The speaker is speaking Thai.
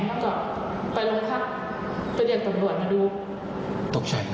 แล้วก็ไปลงพักไปเดินตำรวจมาดู